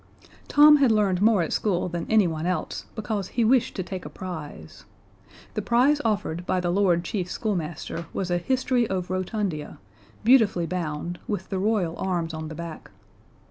Tom had learned more at school than anyone else, because he wished to take a prize. The prize offered by the Lord Chief Schoolmaster was a History of Rotundia, beautifully bound, with the Royal arms on the back.